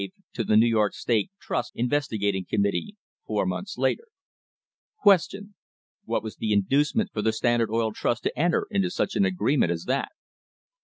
A MODERN WAR FOR INDEPENDENCE to the New York State Trust Investigating Committee four months later: Q. ... What was the inducement for the Standard Oil Trust to enter into such an agreement as that